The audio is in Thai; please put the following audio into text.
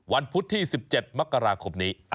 พุธที่๑๗มกราคมนี้